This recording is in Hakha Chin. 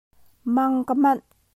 Mang ka manh.